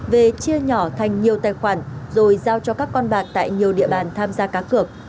về chia nhỏ thành nhiều tài khoản rồi giao cho các con bạc tại nhiều địa bàn tham gia cá cược